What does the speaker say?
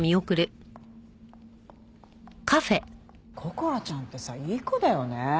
こころちゃんってさいい子だよね。